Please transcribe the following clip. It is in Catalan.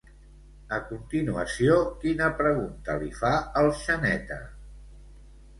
A continuació, quina pregunta li fa el Xaneta?